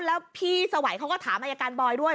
แล้วพี่สวัยเขาก็ถามอายการบอยด้วย